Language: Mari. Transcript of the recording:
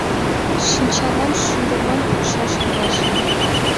Шинчалан шӱрыман пукшаш толашат.